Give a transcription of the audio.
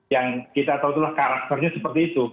yang kita tahu itulah karakternya seperti itu